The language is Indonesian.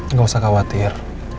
nggak usah khawatir